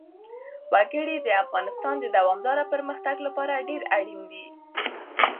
وګړي د افغانستان د دوامداره پرمختګ لپاره ډېر اړین دي.